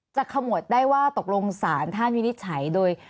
จะขโมยได้ว่าตกลงศาลท่านวินิจฉัย